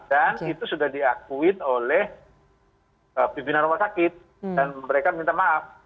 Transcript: dan itu sudah diakui oleh pembina rumah sakit dan mereka minta maaf